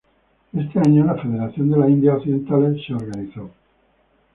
Ese año la Federación de las Indias Occidentales se organizó.